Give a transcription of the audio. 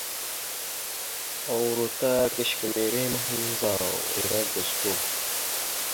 Uro ta kʉsəkumere mahəndzaw ere gosko.